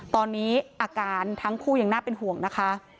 ตอนนี้อาการทั้งคู่ยังน่าเป็นห่วงนะคะ